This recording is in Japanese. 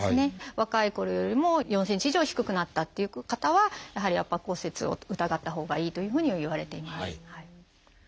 若いころよりも４ｃｍ以上低くなったっていう方はやはり圧迫骨折を疑ったほうがいいというふうにはいわれています。